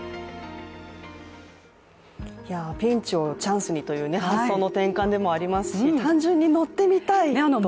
ピンチをチャンスにという発想の転換でもありますし単純に乗ってみたいと。